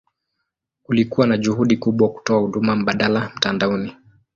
Kulikuwa na juhudi kubwa kutoa huduma mbadala mtandaoni.